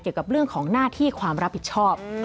เกี่ยวกับเรื่องของหน้าที่ความรับผิดชอบ